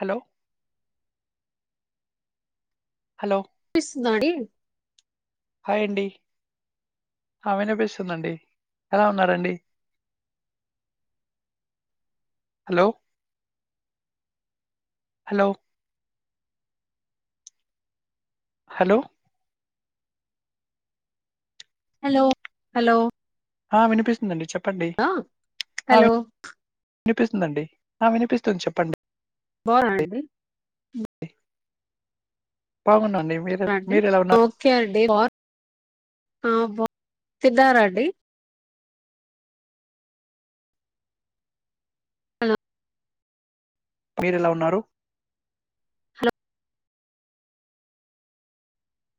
Hello hello పిస్తుందాడి hi అండి ఆ వినిపిస్తుందండి ఎలా ఉన్నాారండి hello hello hello hello hello ఆ వినిపిస్తుందండి చెప్ ఆ హలో వినిపిస్తుందండి ఆ వినిపిస్తుంది చెప్పండి బావున్నానండి బాగున్నా అండి ఓకే అండి వార్ ఆ బా [unintelligible] హలో మీరెలా ఉన్నారు హలో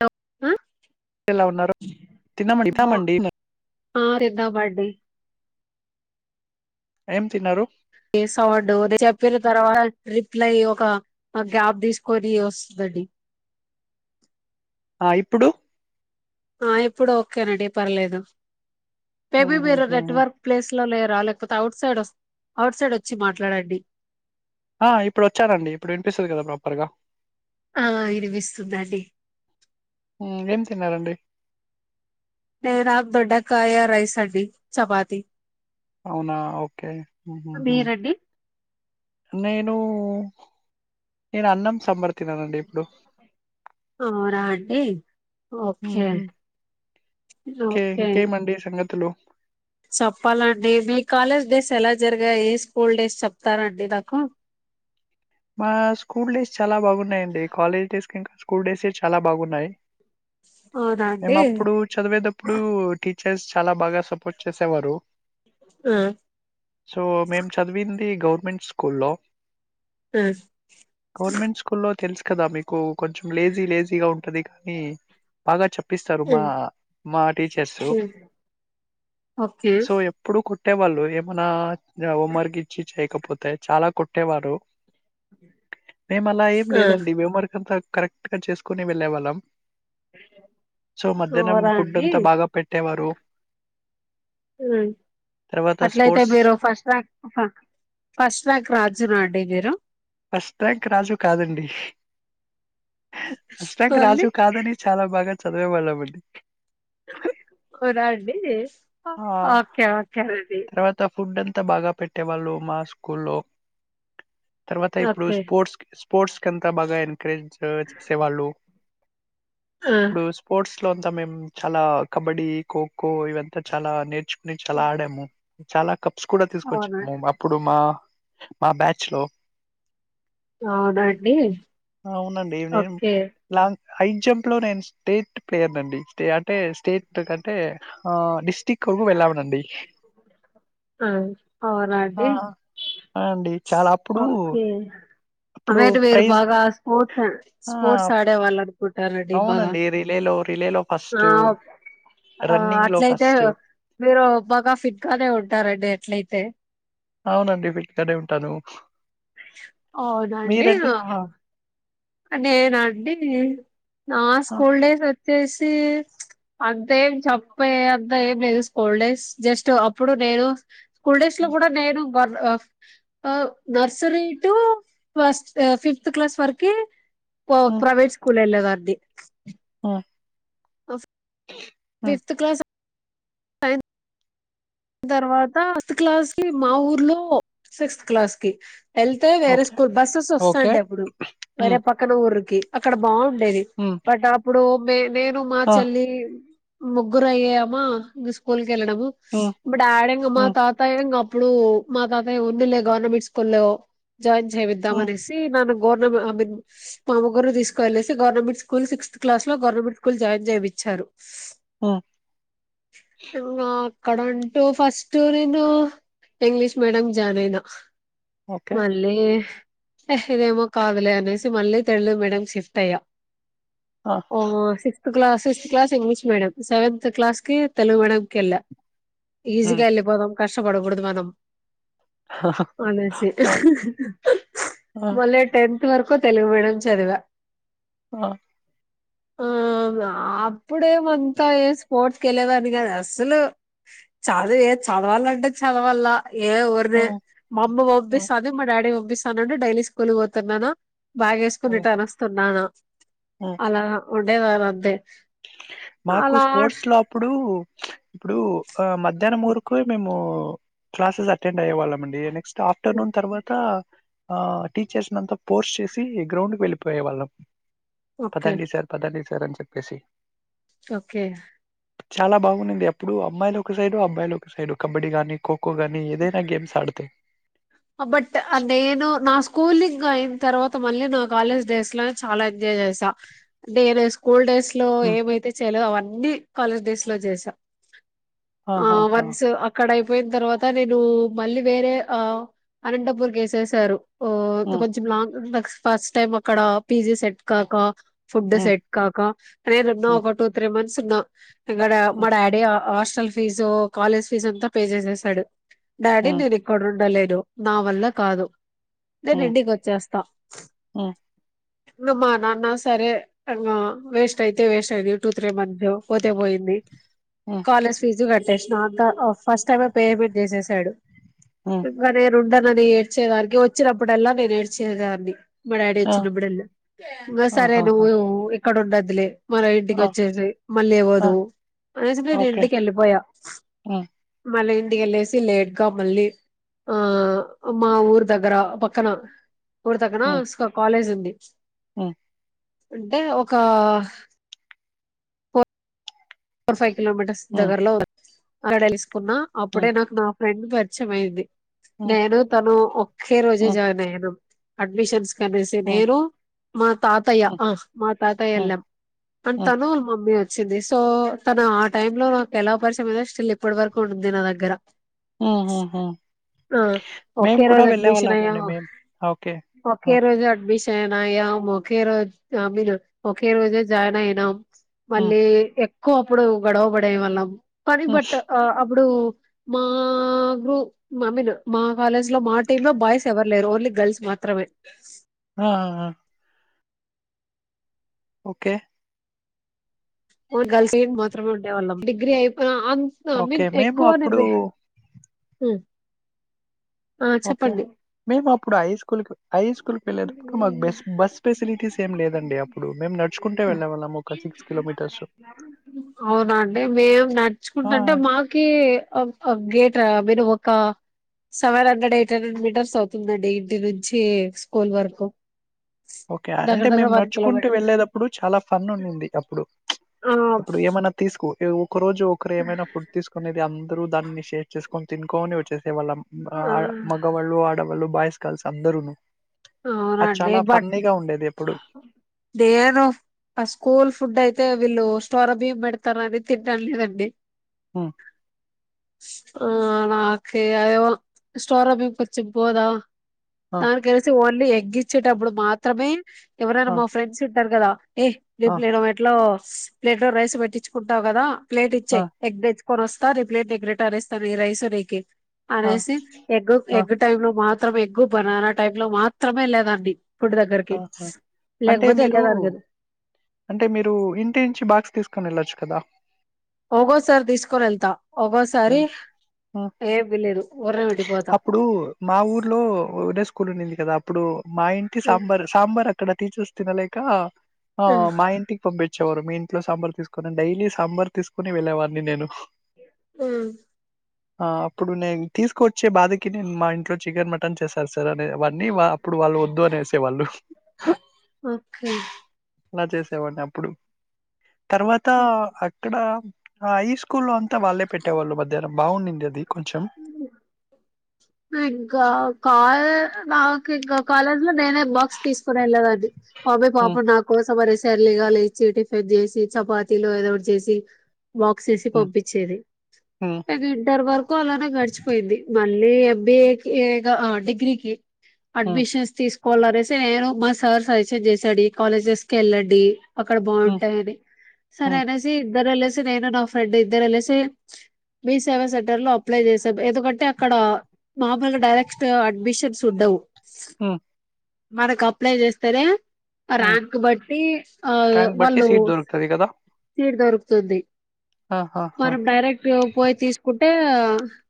లో ఉం ఎలా ఉన్నారు తిన్నామండి తిన్నామండి ఆ తిన్నామండి ఏం తిన్నారు స్ అవడు చెప్పిన తర్వాత రిప్లై ఒక గ్యాప్ తీసుకొని వస్తుందండి ఆ ఇప్పుడు ఆ ఇప్పుడు ఓకేనండి పర్లేదు మేబీ మీరు హుహుహు. నెట్వర్క్ ప్లేస్ లో లేరా లేకపోతే అఔట్ సైడ్ అవుట్ సైడ్ వచ్చి మాట్లాడండి ఆ ఇప్పుడు వచ్చానండి ఇప్పుడు వినిపిస్తుంది కదా ప్రాపర్ గా ఆ వినిపిస్తుందండి హ్మ్. ఏం తిన్నారండి? నేనా దొడ్డకాయా రైస్ అండి చపాతి అవునా ఓకే ఊహూహూ మీరండి నేను నేను అన్నం సాంబార్ తిన్నానండి ఇప్పుడు. అవునా అండి ఓకే హుహు. ఇంకే ఓకే ఇంకేమండి సంగతులు? చెప్పాలండి మీ కాలేజ్ డేస్ ఎలా జరిగాయి స్కూల్ డేస్ చెప్తారాండి నాకు మా స్కూల్ డేస్ చాలా బాగున్నాయండి కాలేజ్ డేస్ కే [inaudible] కుర్టెసే చాలా బాగున్నాయి అవునా మేము అండి అప్పుడు చదివేటప్పుడు టీ చెస్ చాలా బాగా సపోర్ట్ చేసేవారు ఆ సో మేం చదివింది ఈ గవర్నమెంట్ స్కూల్లో ఆ గవర్నమెంట్ స్కూల్లో తెలుసు కదా మీకు కొంచెం లేజీ లేజీగా ఉంటది కానీ బాగా చెప్ ఇపిస్తారు ఆ, మా మా టీచర్స్ ఆ. ఓకే సో ఎప్పుడు కూడ ట్టే వాళ్ళ ఏమునా త యవ మార్కి ఇచ్చి చేయకప్ప పోతాయి చాలా కుట్టేవారు మేము అలా ఏం ఆ, లేదండి మేమోరికం ప్యాక్ మరకంతా కరెక్ట్ గా చేసుకుని వెళ్ళే వాళ్ళం సో మధ్యాహ్నం అవునా ఫుడ్ అండి అంతా బాగా పెట్టేవారు తర్వాత అట్లయితే స్పోర్ట్స్ మీరు ఫస్ట్ ర్యాంక్ ఫస్ట్ ర్యాంక్ రాజునా అండి మీరు ఫస్ట్ ర్యాంక్ రాజు కాదండి అష్టాక్ మళ్ళీ రాజు కాదని చాలా బాగా చదువే వాళ్ళం అండి కురా అండి వేస్ట్ ఆ ఓకే ఓకే దది తర్వాత ఫుడ్ అంతా బాగా పెట్టేవాళ్ళు మా స్కూల్లో తర్వాత ఇప్పుడు ఓకే స్పోర్ట్స్ స్పోర్ట్స్ కంతా బాగా ఎంకరేజ్ చేసేవాళ్ళు ఆ, ఇప్పుడు స్పోర్ట్స్ ఇట్ లో అంతా మేము చాలా కబడ్డీ ఖోఖో ఇవంత చాలా నేర్చు నే చాలా ఆడాము చాలక ప్ స్ కూడా తీసుకొచ్చా అవునా అప్పుడు మా మా బ్యాచ్ లో అవునండి అవునండి నేను ఓకే లాంగ్ హై జంప్ లో నేను స్టేట్ ప్లేయర్ండిే అంటే స్టేట్ కంటే ఆ డిస్టిక్ వరకు వెళ్ళామనండి. ఆ! అనాడే ఆ! అండి చాలా అప్పుడు ఒకే అప్పుడు అేరు వేరు ప్రైజ్ బాగా ఆ! స్పోర్ట్స్ ఆడే వాళ్ళు అవునండి రిలే లో రిలే లో ఆ ఫస్ట్ ఆ రన్నింగ్ లో అట్లయితే ఫస్ట్ మీరు బాగా ఫిట్గానే ఉంటారండి అట్లయితే అవునండి ఫిట్ గానే ఉంటాను అవునాండి మీరండి? నేనాండి నే నా ఆ! స్కూల్ డేస్ వ వచ్చేసి అంత ఏం చెప్పే అంత ఏం లేదు స్కూల్ డేస్ జస్ట్ అప్పుడు నేను స్కూల్ డేస్ లో హ్మ్. కూడా నేను బడి ఆ nursery to first fifth class వరకి పో హ్మ్. ప్రైవేట్ స్కూల్ ఎళ్ళగ దే హ్మ్. ఆఫ్ హ్మ్. ఫిఫ్త్ క్లాసా తర్వాత [unintelligible] క్లాస్ కి మా ఊర్లో సిక్స్త్ క్లాస్ కి వెళ్తే వేరే ఓకే. School buses okay. వస్తాంటయ్ అప్పుడు వేరే హ్మ్. పక్కన ఊరికి అక్కడ బాగుంద్ చేది హ్మ్. బట్ అప్ ఇప్పుడు మీ నేను మా ఆ! చెల్లి ముగ్గురు అయ్యామా మీ స్కూల్ వెల్లడము హ్మ్. డాడింగ మా హ్మ్. తాతాయే ఇంగ అప్పుడు మా తాతయ్య ఉండిలే గవర్నమెంట్ స్కూల్లో జాయిన్ చేపిద్దాం హ్మ్. అనేసి నను గవర్నమెంట్ ఆ మీ మా ముగ్గుర్ని తీసుకెల్లేసి గవర్నమెంట్ స్కూల్ సిక్స్త్ క్లా లో గవర్నమెంట్ స్కూల్ జాయిన్ చేపిచ్చారు హ్మ్. ఇంగ కడన్ టు ఫస్ట్ నేను ఇంగ్లీష్ మీడియం జాయినైనా ఓకే. మళ్ళీ హే ఇదేమో కాదులే అనేసి మళ్ళీ తెలుగు మీడియం షిఫ్ట్ అయ్యా ఆ! ఆహా సిస్ class sixth class English medium seventh క్లాస్కి తెలుగు మీడియం కెల్లా హ్మ్. ఈజీగా వెల్లిపోదం కష్టపడకూడదు మనం అనేసి ఆ! ఆ! మళ్ళ టెన్ ఇంత వరకు తెలుగు మీడియం చదివా ఆ ఆ ఆ ఇప్పుడే మంతా ఏ స్పోర్ట్స్ తెల్వదు కదా అస్సలు చదువు ఏ చదవాలంటే చదవాల ఏ ఓర్నీ హ్మ్. మాఅమ్మ హ్మ్. పంపిస్తాంది. మా డాడీ పంపిస్తా తనుండు డైలీ స్కూల్ కి పోతున్నాను. బాగా హ్మ్. వేసుకునేట్టు అనుస్తున్నాను. హ్మ్. అలా ఉండేదాన్ని అంతే మాకు అలా స్పోర్ట్స్ లో అప్పుడు ఇప్పుడు ఆ మధ్యాహ్నం మురకు మేము క్లాసెస్ అటెండ్ అయ్యోవాళ్ళమండి నెక్స్ట్ ఆఫ్టర్నూన్ తర్వాత ఆ టీచర్స్ నంతా ఫోర్స్ చేసి గ్రౌండ్కి వెళ్ళిపోయే వాళ్ళం. ఓకే పదండి సార్ పదండి సార్ సరని చెప్పేసి ఓకే చాలా బాగున్నింది అప్పుడు అమ్మాయిలు ఒక సైడు అబ్బాయిలు ఒక సైడు కబడ్డీ గాని ఖో ఎక్కువగాని ఏదైనా గేమ్స్ ఆడితే బట్ నేను నా స్కూలింగ్ అయిన తర్వాత మళ్ళీ నా కాలేజ్ డేస్ లోనే చాలా ఎంజాయ్ చేసా అంటే నేను స్కూల్ డేస్ లో ఉమ్, ఏమైతే చెయలే అవన్నీ ఉండి కాలేజ్ డేస్ లో చేసా ఆ ఆహాహా, వన్స్ అక్కడ పోయిన తర్వాత నేను మళ్ళీ వేరే ఆ అనంతపూర్ కేసేశారు. ఓ అంతే ఉమ్, కొంచం లాంగ్ ఉన్ ఫస్ట్ టైమ్ అక్కడ పి జి సెట్ కాక ఫుడ్ ఉమ్, సెట్ కాక నేనున్న ఉమ్, ఒక టూ త్రీ మంత్స్ నా ఇక్కడ మా ఉమ్, daddy hostel fee college ఫీజంతా పే చేసేసాడు. డాడీ ఉమ్, దిని కొడు డల్ నా వల్ల కాదు. నేను ఉమ్, ఇంటికి వచ్చేస్తా ఉమ్, నువ్ మా నాన్న సరే ఆ వేస్ట్ అయితే వేస్ట్ అయింది. టూ త్రీ మంద్స్ పోతే పోయింది. ఉమ్, కాలేజ్ ఫీజు క తెస్నొ అంతా ఫస్ట్ టైమ్ పేమెంట్ చేసేసాడు. ఉమ్, ఇంగా నేను ఉండనని ఏడ్చేవారికి వచ్చినప్పుడల్లా నేన ఏడ్చేదాని మ డాడి ఆ, వచ్చినడల్లా వసారే నువ్వు ఆహాహా, అక్కడ ఉండదులే మన ఇంటికి ఆ, వచ్చేయ్ అంది. ఆ, మళ్ళీవొదువు అనేసిపె నేను ఓకే ఇంటికి వెళ్ళిపోయా ఉమ్, మళ్ళీ ఇ ఇంటికెళ్ళెసి లేట్గా మళ్ళీ ఆ మా ఊరు దగ్గర పక్కన రి తగ్గన స్ కాలేజ్ ఉంది. ఉ అంటే ఒక ర్ ఫైవ్ కిలోమీటర్స్ ఉమ్, దగర్లో ఆడెలిస్ కున్నా అప్పుడే ఉమ్, నాకు నా ఫ్రెండ్. స్వచ్చమైంది‌ ఉమ్, నేను తను ఒక్కే ఉమ్, రోజే జాయిన్ అయ్యినాం. అడ్మిషన్స్ కనేసి హ్మ్. నేను మా తాతయ్య హ్మ్. హ మా తాతయ్య హ్మ్. ఎళ్ళాం. తన్ హ్మ్. తను మీ చ్చింది సో తను ఆ టైమ్ లో ఎలా పరిచయం దో స్టిల్ ఇప్పటి వరకు ఉంది. నా దగ్గర హ్మ్. హ్మ్. హ్మ్. మేము ఒకే కూడా రోజు అడ్మిషన్ అయ్యాం. వెళ్ళేవాళ్ళమండి మేము. ఓకే. ఆ! ఒకే రోజు అడ్మిష్ చైన్ అయ్యాం. ఒకే రోజు అ మీన్ ఒకే రోజే జాయిన్ అయినాం. హ్మ్. మళ్ళీ ఎ క్కువ అప్పుడు గొడవపడే వాళ్ళం. కాని హ్మ్. బట్ ఆ ఇప్పుడు మా గ్రూ మా మీన్ మా కాలేజ్ లో మా టీమ్ లో బాయ్స్ ఎవరు లేరు. ఓన్లీ గర్ల్స్ మాత్రమే ఆ ఆ ఆ ఓకే ఫోర్ గర్ల్సే మాత్రం ఉండే వాళ్ళం డిగ్రీ అయిపోనా ఆమ్స్ ఓకే. మీన్ మేము ఎక్కువ అప్పుడు నేవి హు ఆ చెప్పండి ప్పుడు హై స్కూల్ కి హై స్కూల్కి వెళ్ళేటప్పుడు మాకు బేస్ బస్ ఫెసిలిటీస్ ఏం లేదండి అప్పుడు. మేము నడుచుకుంటే వెళ్ళావాళ్ళము. ఒక సిక్స్ కిలోమీటర్స్ అవునా అండి మేము ఆ నడుచుకుంటుంటే టా మీరు ఒక seven hundred, eight hundred metres అవుతుందండి. ఇంటి నుంచి స్కూల్ వరకు ఓకే దగ్గర అంటే దగ్గర మేము వన్ నడుచుకుంటూ కిలోమీటర్ వెళ్ళేదప్పుడు చాలా ఫన్ ఉండింది అప్పుడు. ఆ ఇప్పుడు ఏమన్నా తీసుకో ఏవు ఒకరోజు ఒకరు ఏమైనా ఫుడ్ తీసుకునేది. అందరూ దాన్ని షేర్ చేస్ కొని తినుకొని వచ్చేది టే వల్ల ఆ, మా ఆడ్ మగవాళ్ళు, ఆడవాళ్ళు బాయ్స్ గర్ల్స్ అందారును అవునా అండి బట్ ఎప్పుడు దేను ఆ స్కూల్ ఫుడ్ అయితే వీళ్ళు త్వర బియ్యం పెడతారని తింటాం లేదండి. హు ఆ నాకే అఎవో స్టోర బియ్యం కొచ్చి పోదా ఆ, తనీకేస్ ఓన్లీ ఎగ్గిచ్చేటప్పుడు మాత్రమే ఎవరైనా ఆ, మా ఫ్రెడ్స్ టార్ గదా ఏ ఆ, రేప్ ఎట్లో స్ ప్లేట్ లో రైస్ పెట్టించుకుంటావు కదా ప్లేట్ ఆ, ఇచ్చేయ్ ఎగ్ దే కొన్ వోస్తా రేప్ ప్లేట్ నిక్ రిటానీస్తా ఈ రైస్ నీకే ఆ, అనేసి ఎగ్ ఆ, ఎగ్ టైం లో మాత్ త్రం ఎగ్గు బనానా టైం లో మాత్రమే వెళ్లే దాన్ని ఆహా అంటే మీరు వెళ్ళేదాన్ని కదా అంటే మీరు ఇంటి నించి బాక్స్ తీసుకొని వెళ్ళచ్చు కదా. ఒగోసారి తీసుకొని వెళ్తా. ఒగోసారి ఉమ్, ఉమ్. ఏమీలేదు ఊర్నే వెళ్ళిపోతా కూడి ఉండింది. కదా అప్పుడు మా ఇం సాంబరు సాంబార్ అక్కడ తీచూస్తూ తినలేక ఆ మా ఇంటికి పంపే చివరు మీ ఇంట్లో సాంబార్ తీసుకొని డైలీ సాంబార్ తీసుకొని వెళ్ళేవాడిని నేను ఆ ఆ అప్పుడు నేను తీసుకువచ్చే బాధకి నేను మా ఇంట్లో చికెన్ మటన్ చేసారు. సార్ అనేవన్నీ అప్పుడు వాళ్ళు వద్దు అనేసి హే వాళ్ళు హు ఓకే ఇలా చేసేవాడిని అప్పుడు తర్వాత అక్కడ హై స్కూల్ అంతా వాళ్ళే పెట్టేవాళ్ళు మధ్యాహ్నం బావుండింది దది కొంచెం ఇంక కాయ నాకు ఇంక కలర్ లో నేనే బాక్స్ తీసుకొని వెళ్లేదాన్ని. బబే పాప హ్మ్. నాకోసం ఆరేసి ఎర్లీ గా లేచి టిఫెన్ చేసి చపాతీలో ఏదోటి చేసి వాక్ చేసి హ్మ్. పంపించేది, హ్మ్. అది ఇంటర్ వరకు అలానే గడిచిపోయింది. మళ్ళీ ఎం బి ఏ కి ఎగ అ డిగ్రీకి హ్మ్. అడ్మిషన్స్ తీసు పోలారేస నేను మా సార్ సజీసన్ చేసాడు కాలేజెస్ కి వెళ్ళండి. అక్కడ హ్మ్. బాగుంటాయని సర హ్మ్. అనేసి ఇద్దరు వెళ్లేసి సార్ నేను నా ఫ్రెండ్ ఇద్దరు వెలిసి మీ సేవా సెంటర్ లో అప్లై చేసాం ఎందుకంటే ఆ అక్కడ మా వల్ల డైరెక్ట్ అడ్మిషన్స్ ఉండవు హ మనకు అప్లై చేస్తారా హ్మ్. ర్యాంక్ బట్టి ఆ ర్యాంక్ బట్టి వాళ్ళు సీట్ దొరుకుతది కదా! సీటు దొరుకుతుంది ఆహాహా! మనం డైరెక్ట్ గా పోయి తీసుకుం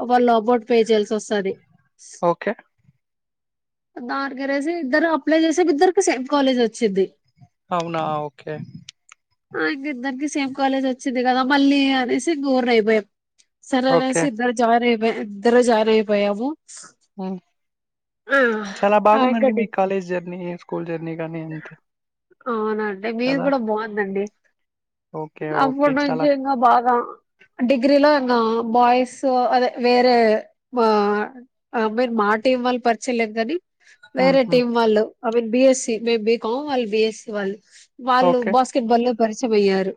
ఆ వాళ్ళ బో పేజెల్స్ సొసదే ఓకే. దానికి అనేసి ఇద్దరు అప్లై చేసే ఇద్దరికి సేమ్ కాలేజ్ వచ్చింది. అవునా ఓకే ఆ ఇక ఇద్దరికి సేమ్ కాలేజ్ వచ్చిది కదా మళ్ళీ అనేసి ఇంక దూరం అయిపోయాం ఓకే. సరళసి ఇద్దరు జారే [unintelligible] ఇద్దరు జాయిన్ అయిపోయాము మ్ ఆ చాలా బాగుందండి మీ కాలేజ్ జర్నీయె స్కూల్ జర్నీ గాని అంతే అవునంటే మీది కదా! కూడా బాగుందండి ఓకే. ఓకే. అప్పుటి చాలా నుంచి ఇంకా బాగా డిగ్రీలో ఆ బాయ్స్ అదే వేరే మా- మా టీమ్ వాళ్ళు పరిచయలేదు కానీ హ్మ్. వేరే హ్మ్. టీమ్ వాళ్ళు అవి బిఎస్ మేము బీకాం వాళ్ళు బీఎస్సీ వాళ్లు వాళ్ళు ఓకే. బాస్కెట్ బాల్ లో పరిచయమయ్యారు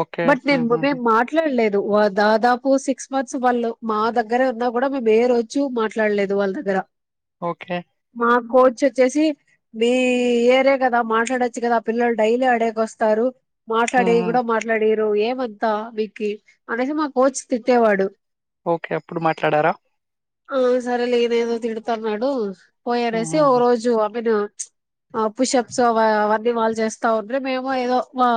ఓకే. బట్ నేను హుహుహు. బుకే మాట్లాడలేదు దాదాపు సిక్స్ మంత్స్ వాళ్ళు మా దగ్గరే ఉన్నా కూడా మేము ఏ రోజు మాట్లాడలేదు వాళ్ళ దగ్గర ఓకే మా కోచ్ వచ్చేసి మే ఈ ఏరే కదా మాట్లాడొచ్చు కదా పిల్లలు డైలీ అడేకి వస్తారు మాట్లాడి హుహు. కూడా మాట్లాడిరు ఏమం త వికి అనేసి మా కోచ్ తిట్టేవాడు ఓకే అప్పుడు మాట్లాడారా ఆ సరేలే ఏది ఏదో తిడతన్నాడు పోయారు సి హుహుహు. ఓరోజు అభినో ఆ పుషప్సు అవీవ్ ఒన్ ది వాళ్ళు చేస్తా ఉండే మేము ఏదో మా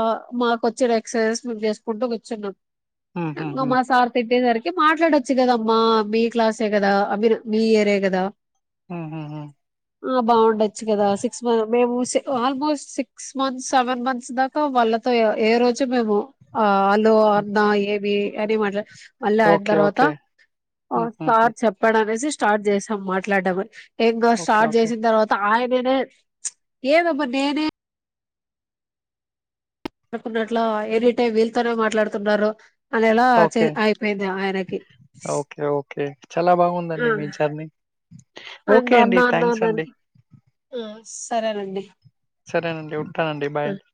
మాకు వచ్చిన ఎక్సర్సైజ్ మేము చేసుకుంటూ కూర్చున్నాం అంగ హుహుహు. మా సార్ తిట్టే సరిపో కి మాట్లాడొచ్చు కదమ్మా మీ క్లాసే ఎ కదా మీరు మీ ఇయర్ ఎ కదా హుహుహు. ఆ బాగుండొచ్చు కదా సిక్ మేము సెక్ almost six months seven months దాకా వాళ్ళతో ఎ రోజు మేము ఆ ఆ లో అన్న ఏ వి గట్టిగా మాట్లాడ్ మళ్ళీ అది ఓకే. తర్వాత ఓకే. హుహుహు. సార్ చెప్పాడు అనేసి స్ స్టార్ట్ చేసాం మాట్లాడడామని ఇంకా ఓకే. Start okay. చేసిన తర్వాత ఆయ వినే ఏదబ్బ నేనే అనుకున్నట్ల ఏనిటైం వీలతోనే మాట్లాడుతున్నారు అదేలా ఓకే. అయిపోయింది ఆయనకి ఓకే. ఓకే. చాలా బాగుందండి మీ జర్నీ. ఓకే ఇంగా అండి. అన్నా థాంక్స్ అన్నన్న అండి. సరేనండి సరేనండి ఉట్టానండి బాయ్ ఆ అండి